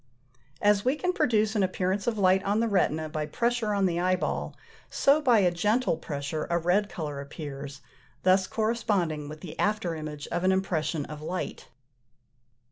As we can produce an appearance of light on the retina by pressure on the eyeball, so by a gentle pressure a red colour appears, thus corresponding with the after image of an impression of light.